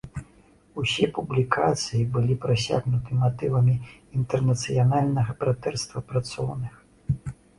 Усе публікацыі былі прасякнуты матывамі інтэрнацыянальнага братэрства працоўных.